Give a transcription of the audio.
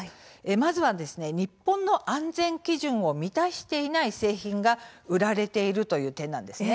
まずは日本の安全基準を満たしていない製品が売られているという点なんです。